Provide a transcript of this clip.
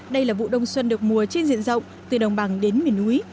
đây là vụ đông xuân được mùa trên diện rộng từ đồng bằng đến miền núi